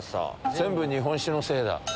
「全部日本酒のせいだ！」。